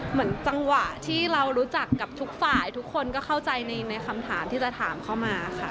เหมือนจังหวะที่เรารู้จักกับทุกฝ่ายทุกคนก็เข้าใจในคำถามที่จะถามเข้ามาค่ะ